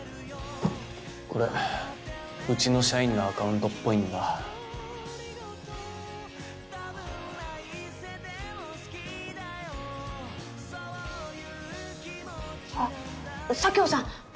これうちの社員のアカウントっぽいんだあっ佐京さん